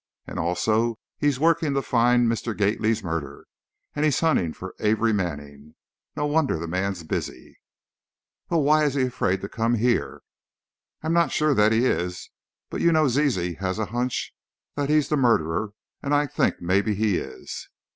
And also, he's working to find Mr. Gately's murderer, and he's hunting for Amory Manning. No wonder the man's busy!" "Well, why is he afraid to come here?" "I'm not sure that he is; but you know Zizi has a hunch that he's the murderer, and I think maybe he is.